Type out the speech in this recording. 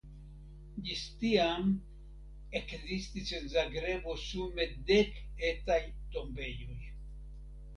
Ĝis tiam ekzistis en Zagrebo sume dek etaj tombejoj.